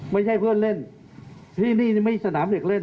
ไม่ใช่เพื่อนเล่นที่นี่ไม่ใช่สนามเด็กเล่น